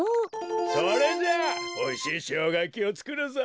それじゃあおいしいショウガやきをつくるぞ！